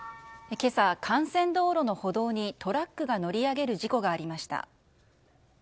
今朝、幹線道路の歩道にトラックが乗り上げる事故がありました。